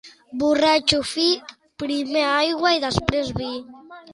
Borratxo fi, primer aigua i després vi.